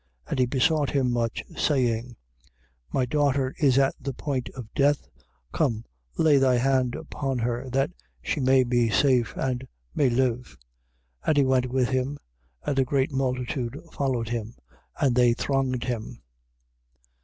5:23. And he besought him much, saying: My daughter is at the point of death, come, lay thy hand upon her, that she may be safe, and may live. 5:24. And he went with him, and a great multitude followed him, and they thronged him.